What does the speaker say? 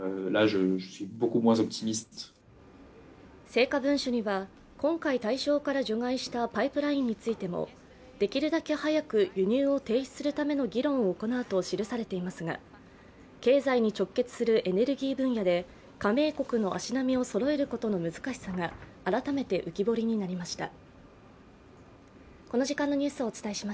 成果文書には今回対象から除外したパイプラインについてもできるだけ早く輸入を停止するための議論を行うと記されていますが経済に直結するエネルギー分野で加盟国の足並みをそろえることの難しさが改めて浮き彫りになりました。